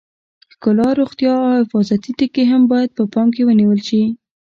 ښکلا، روغتیا او حفاظتي ټکي هم باید په پام کې ونیول شي.